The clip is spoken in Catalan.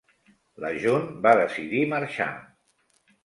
La June va decidir marxar.